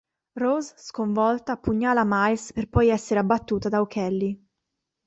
Rose, sconvolta, pugnala Miles per poi essere abbattuta da O'Kelly.